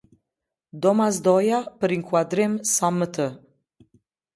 Domasdoja për inkuadrim sa më të.